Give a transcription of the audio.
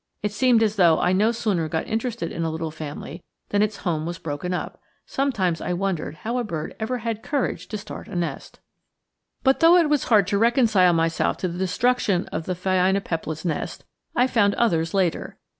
It seemed as though I no sooner got interested in a little family than its home was broken up. Sometimes I wondered how a bird ever had courage to start a nest. But though it was hard to reconcile myself to the destruction of the phainopeplas' nest, I found others later.